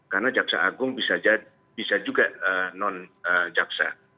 karena jaksa agung bisa juga non jaksa